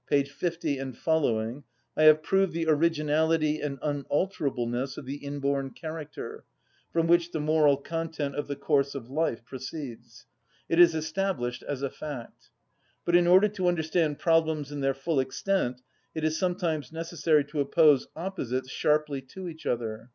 50 seq.) I have proved the originality and unalterableness of the inborn character, from which the moral content of the course of life proceeds. It is established as a fact. But in order to understand problems in their full extent it is sometimes necessary to oppose opposites sharply to each other.